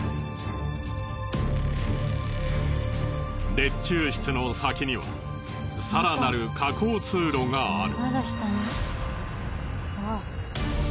列柱室の先には更なる下降通路がある。